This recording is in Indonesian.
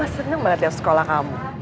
daniel mama seneng banget ya sekolah kamu